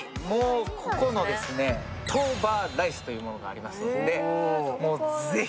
ここのトーバーライスというものがありますので、ぜひ。